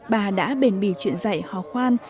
bà đã bền bỉ truyền dạy họ khoan